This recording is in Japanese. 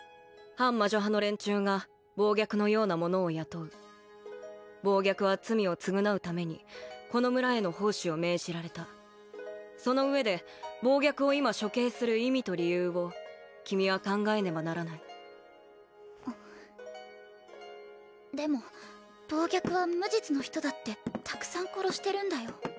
反魔女派の連中が暴虐のような者を雇う暴虐は罪を償うためにこの村への奉仕を命じられたその上で暴虐を今処刑する意味と理由を君は考えねばならないでも暴虐は無実の人だってたくさん殺してるんだよ